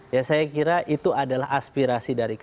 ya saya kira itu adalah aspirasi dari kpk